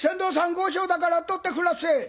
後生だから取ってくなっせえ」。